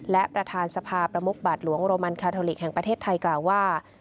และประธานสภาประมุกบาทหลวงโรมันคาทอลิกแห่งประเทศไทยกล่าวว่า